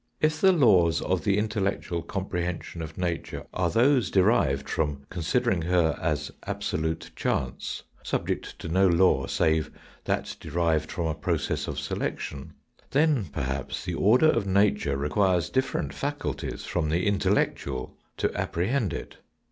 If the laws of the intellectual comprehension of nature are those derived from con sidering her as absolute chance, subject to no law save that derived from a process of selection, then, perhaps, the order of nature requires different faculties from the in tellectual to apprehend it.